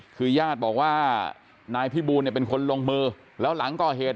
คือญาติบอกว่านายพี่บูลเนี่ยเป็นคนลงมือแล้วหลังก่อเหตุ